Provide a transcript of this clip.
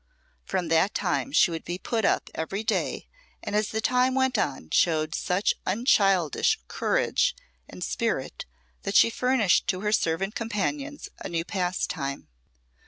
From that time she would be put up every day, and as time went on showed such unchildish courage and spirit that she furnished to her servant companions a new pastime.